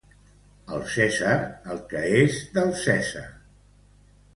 Al Cèsar el que és del Cèsar